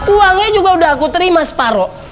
uangnya juga udah aku terima separoh